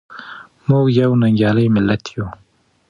موږ یو ننګیالی ملت یو.